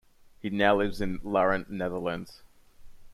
He now lives in Laren, Netherlands.